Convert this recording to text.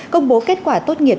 công bố kết quả tốt nghiệp